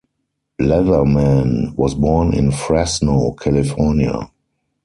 Letherman was born in Fresno, California.